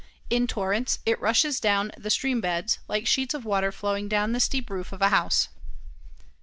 In torrents it rushes down the stream beds, like sheets of water flowing down the steep roof of a house.